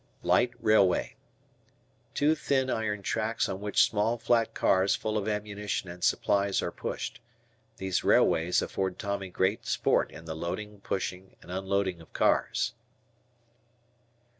Light Railway. Two thin iron tracks on which small flat cars full of ammunition and supplies are pushed. These railways afford Tommy great sport in the loading, pushing, and unloading of cars.